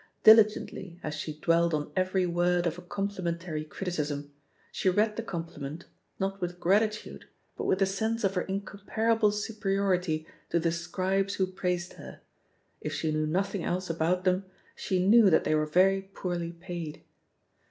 Diligently as she dwelt on every word of a com plimentary criticism, she read the compliment, not with gratitude, but with a sense of her in comparable superiority to the scribes who praised her — ^if she knew nothing else about them, she knew that they were very poorly paid.